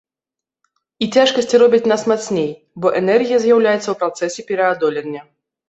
І цяжкасці робяць нас мацней, бо энергія з'яўляецца ў працэсе пераадолення.